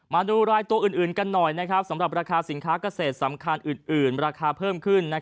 มาดูรายตัวอื่นกันหน่อยสำหรับราคาสินค้าเกษตรสำคัญอื่นราคาเพิ่มขึ้น